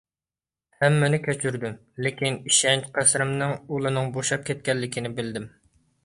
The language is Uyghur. ھەممىنى كەچۈردۈم. لېكىن، ئىشەنچ قەسرىمنىڭ ئۇلىنىڭ بوشاپ كەتكەنلىكىنى بىلدىم.